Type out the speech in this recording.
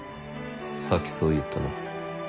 さっきそう言ったな。